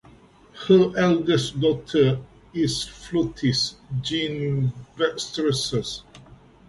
Her eldest daughter is flutist Jeanne Baxtresser.